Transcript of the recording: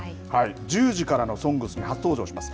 １０時からのＳＯＮＧＳに初登場します。